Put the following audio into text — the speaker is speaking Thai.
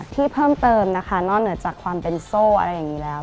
ที่เพิ่มเติมนะคะนอกเหนือจากความเป็นโซ่อะไรอย่างนี้แล้ว